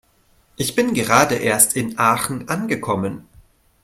Ich bin gerade erst in Aachen angekommen